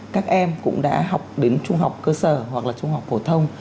các em cũng đã học đến trung học cơ sở hoặc là trung học phổ thông